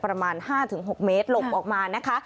ประมาณ๕๖เมตรหลบออกมานะคะ